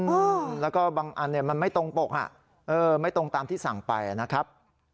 อืมแล้วก็บางอันเนี่ยมันไม่ตรงปกอ่ะเออไม่ตรงตามที่สั่งไปนะครับ